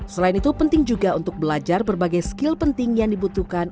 selain itu penting juga untuk belajar berbagai skill penting yang dibutuhkan